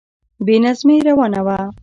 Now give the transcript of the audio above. بې نظمی روانه وه.